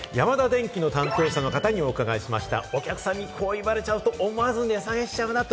ヤマダデンキの担当者の方に伺いました。